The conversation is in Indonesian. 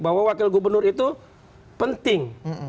bahwa wakil gubernur itu penting